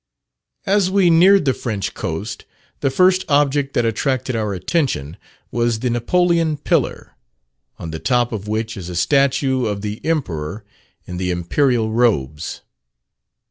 As we neared the French coast, the first object that attracted our attention was the Napoleon Pillar, on the top of which is a statue of the Emperor in the Imperial robes.